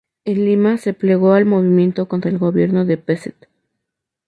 En Lima se plegó al movimiento contra el gobierno de Pezet.